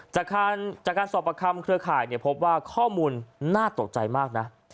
จากการสอบประคำเครือข่ายพบว่าข้อมูลน่าตกใจมากนะ